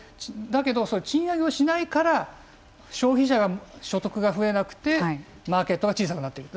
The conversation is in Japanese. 賃上げをしないから消費者が所得が増えなくてマーケットが小さくなっていく。